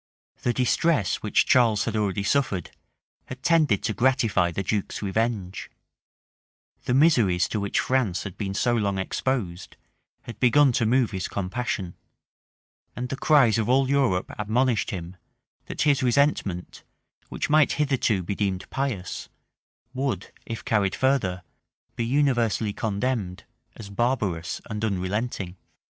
The distress which Charles had already suffered, had tended to gratify the duke's revenge; the miseries to which France had been so long exposed, had begun to move his compassion; and the cries of all Europe admonished him, that his resentment, which might hitherto be deemed pious, would, if carried further, be universally condemned as barbarous and unrelenting.